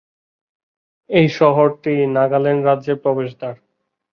এই শহরটি নাগাল্যান্ড রাজ্যের প্রবেশদ্বার।